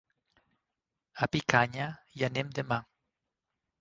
A Picanya hi anem demà.